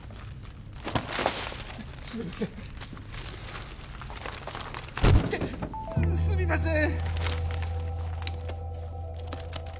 すみませんイテッすみません